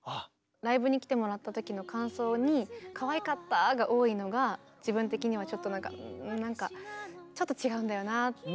ライブに来てもらった時の感想に「かわいかった」が多いのが自分的にはちょっとなんかなんかちょっと違うんだよなってなるほど。